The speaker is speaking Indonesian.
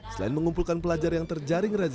selain mengumpulkan pelajar yang terjaring razi akibat